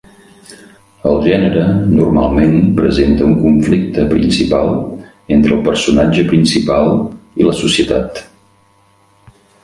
El gènere normalment presenta un conflicte principal entre el personatge principal i la societat.